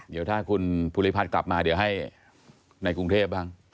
เดี๋ยวถ้าคุณภูริพัฒน์กลับมาเดี๋ยวให้ในกรุงเทพบ้าง